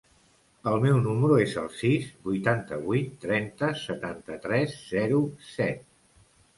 El meu número es el sis, vuitanta-vuit, trenta, setanta-tres, zero, set.